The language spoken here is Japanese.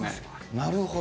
なるほど。